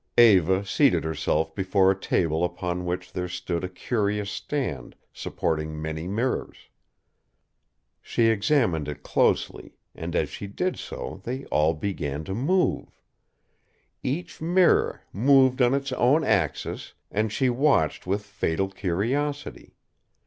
Eva seated herself before a table upon which there stood a curious stand, supporting many mirrors. She examined it closely, and as she did so they all began to move. Each mirror moved on its own axis and she watched with fatal curiosity.